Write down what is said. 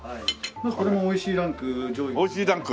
これも美味しいランク上位ですね。